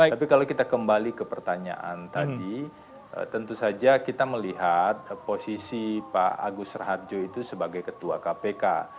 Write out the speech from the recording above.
tapi kalau kita kembali ke pertanyaan tadi tentu saja kita melihat posisi pak agus raharjo itu sebagai ketua kpk